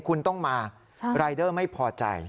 คุณต้องมารายเดอร์ไม่พอใจ